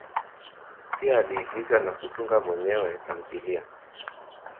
Pia aliigiza na kutunga mwenyewe tamthilia.